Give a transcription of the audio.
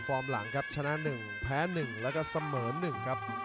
หลังครับชนะ๑แพ้๑แล้วก็เสมอ๑ครับ